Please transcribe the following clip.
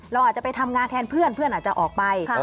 เราอาจจะไปทำงานแทนเพื่อนเพื่อนอาจจะออกไป